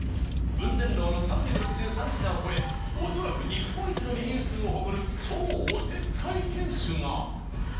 「雲仙楼」の３６３品を超え恐らく日本一のメニュー数を誇る超おせっかい店主が。